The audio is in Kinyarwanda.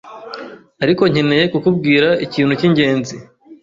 ariko nkeneye kukubwira ikintu cyingenzi.